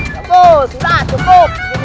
jatuh sudah cukup